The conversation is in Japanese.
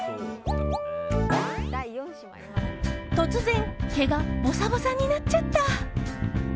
突然、毛がボサボサになっちゃった！